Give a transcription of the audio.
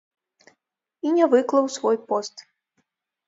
І не выклаў свой пост.